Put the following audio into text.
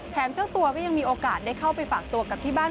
เจ้าตัวก็ยังมีโอกาสได้เข้าไปฝากตัวกับที่บ้าน